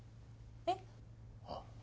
えっ？